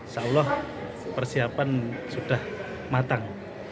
seolah persiapan sudah matang